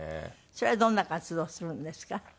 それはどんな活動をするんですか？